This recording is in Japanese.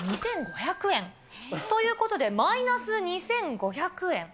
２５００円。ということで、マイナス２５００円。